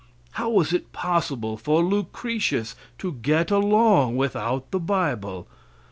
How was it possible for Lucretius to get along without the bible?